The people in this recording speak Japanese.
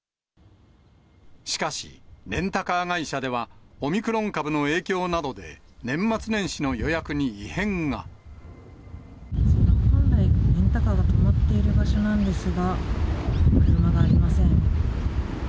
しかし、レンタカー会社では、オミクロン株の影響などで、本来、レンタカーが止まっている場所なんですが、車がありません。